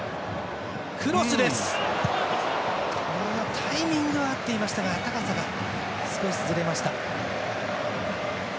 タイミングは合っていましたが高さが少しズレました。